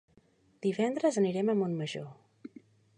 Divendres anirem a Montmajor.